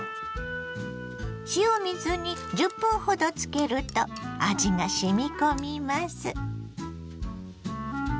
塩水に１０分ほどつけると味がしみ込みます。